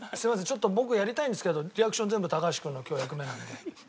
ちょっと僕やりたいんですけどリアクション全部高橋君の今日役目なので。